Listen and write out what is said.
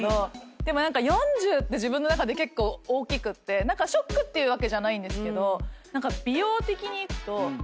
でも４０って自分の中で結構大きくってショックっていうわけじゃないんですけど。